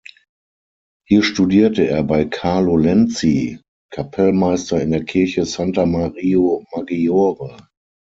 Hier studierte er bei Carlo Lenzi, Kapellmeister in der Kirche Santa Maria Maggiore.